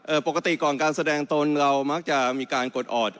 ปกติก่อนการแสดงตนเรามักจะมีการกดออด